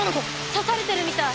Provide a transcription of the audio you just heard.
刺されてるみたい。